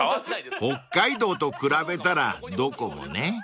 ［北海道と比べたらどこもね］